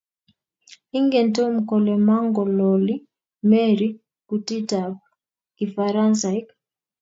ingen Tom kole mangololi Mary kutitab kifaransaik